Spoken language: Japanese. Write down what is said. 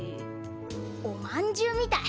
おまんじゅうみたい。